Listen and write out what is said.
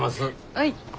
はい。